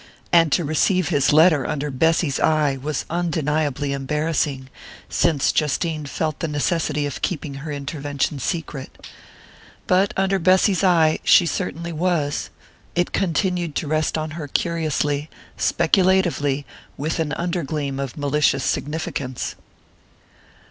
And to receive his letter under Bessy's eye was undeniably embarrassing, since Justine felt the necessity of keeping her intervention secret. But under Bessy's eye she certainly was it continued to rest on her curiously, speculatively, with an under gleam of malicious significance.